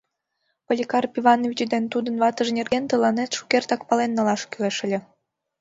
Поликарп Иванович ден тудын ватыж нерген тыланет шукертак пален налаш кӱлеш ыле.